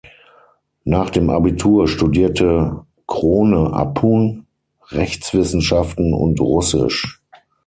Nach dem Abitur studierte Krone-Appuhn Rechtswissenschaften und Russisch.